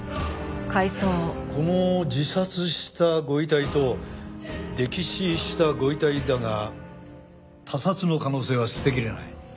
この自殺したご遺体と溺死したご遺体だが他殺の可能性は捨てきれない。